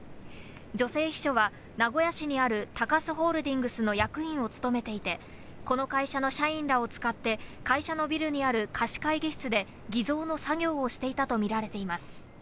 女性秘書は名古屋市にある高須ホールディングスの役員を務めていて、この会社の社員らを使って、会社のビルにある貸し会議室で偽造の作業をしていたと見られています。